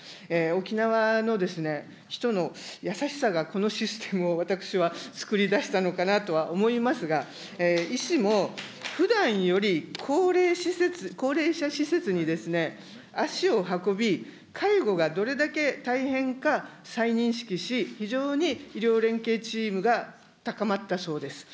沖縄の人の優しさがこのシステムを私はつくりだしたのかなとは思いますが、医師もふだんより高齢者施設に足を運び、介護がどれだけ大変か、再認識し、非常に医療連携チームが高まったそうです。